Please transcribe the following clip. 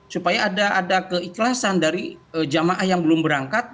supaya ada keikhlasan dari jamaah yang belum berangkat